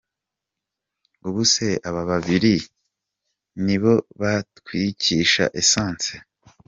Ubuse aba babiri ni bo bantwikisha essence ?”.